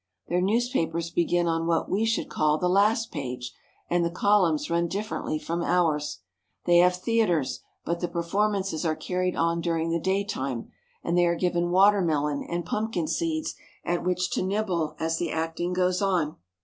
Their newspapers begin on what we should call the last page, and the columns run dif ferently from ours. They have theaters, but the perform ances are carried on during the daytime; and they are CARP. ASIA — 1 1 174 CURIOUS CHINESE CUSTOMS given watermelon and pumpkin seeds, at which to nibble as the acting goes on.